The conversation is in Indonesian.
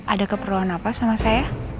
ada keperluan apa sama saya